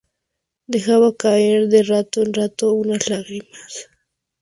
Dejaba caer de rato en rato unas lágrimas.